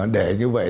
để như vậy